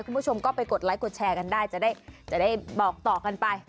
คุณผู้ชมก็ไปกดไลคดแชร์กันได้จะได้บอกต่อกันไป